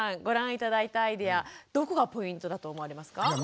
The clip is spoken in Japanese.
ご覧頂いたアイデアどこがポイントだと思われますか？